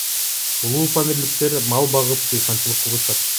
Улуупамирликтер мал багып, дыйканчылык кылышат.